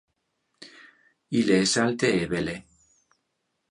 Ille es alte e belle.